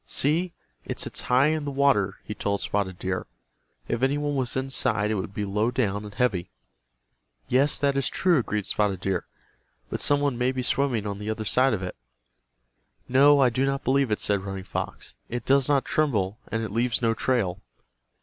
"See, it sits high in the water," he told Spotted Deer. "If any one was inside it would be low down and heavy." "Yes, that is true," agreed Spotted Deer. "But some one may be swimming on the other side of it." "No, I do not believe it," said Running Fox. "It does not tremble, and it leaves no trail."